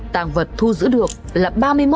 tàng vật thu giữ được là